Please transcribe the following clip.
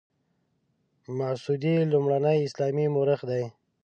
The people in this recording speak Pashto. مسعودي لومړنی اسلامي مورخ دی.